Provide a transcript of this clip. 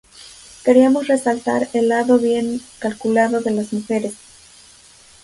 Queríamos resaltar el lado bien calculado de las mujeres".